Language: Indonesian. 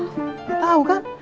nggak tahu kan